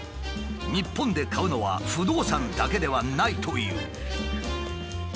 日本で買うのは不動産だけではないという。